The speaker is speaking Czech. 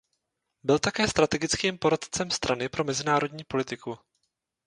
Byl také strategickým poradcem strany pro mezinárodní politiku.